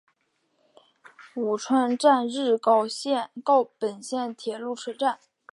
鹉川站日高本线的铁路车站。